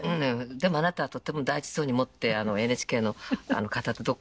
でもあなたはとっても大事そうに持ってＮＨＫの方とどこかいらしたけれども。